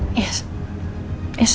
tapi kamu harus berpikir dengan mata